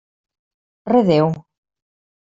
Redéu!